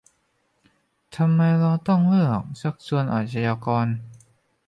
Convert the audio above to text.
ทำไมเราต้องเลือกชักชวนอาชญากร